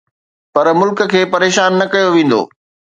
پر ملڪ کي پريشان نه ڪيو ويندو.